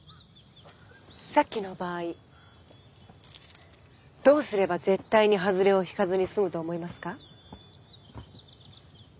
さっきの場合どうすれば絶対にハズレを引かずに済むと思いますか？